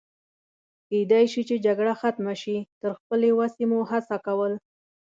کېدای شي چې جګړه ختمه شي، تر خپلې وسې مو هڅه کول.